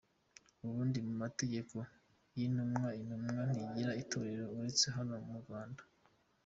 Ubundi mu mategeko y’Intumwa, Intumwa ntigira itorero uretse hano mu Rwanda.